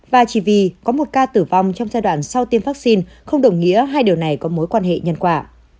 và chỉ vì có một ca tử vong trong giai đoạn sau tiêm vaccine không đồng nghĩa hai điều này có mối quan hệ nhân quả